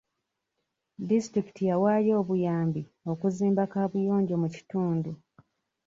Disitulikiti yawaayo obuyambi okuzimba kaabuyonjo mu kitundu.